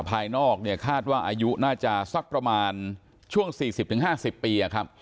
ภายนอกเนี่ยคาดว่าอายุน่าจะสักประมาณช่วง๔๐๕๐ปีครับ